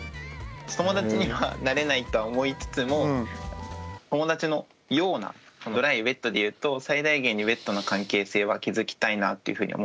友達にはなれないとは思いつつも友達のようなドライウエットでいうと最大限にウエットな関係性は築きたいなっていうふうに思っていて。